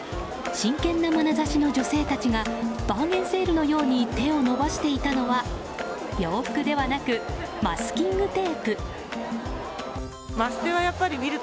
真剣なまなざしの女性たちがバーゲンセールのように手を伸ばしていたのは洋服ではなく、マスキングテープ。